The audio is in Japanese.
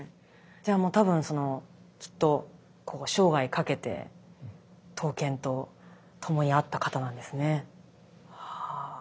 じゃあもうたぶんそのきっとこう生涯かけて刀剣とともにあった方なんですね。